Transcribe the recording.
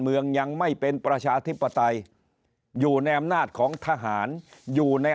ยังไม่เป็นประชาธิปไตยอยู่ในอำนาจของทหารอยู่ใน